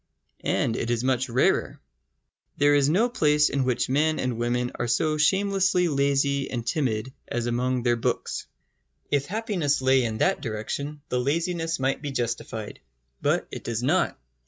And it is much rarer. There is no place in which men and women are so shamelessly lazy and timid as among their books. If happiness lay in that direction, the laziness might be justified. But it does not.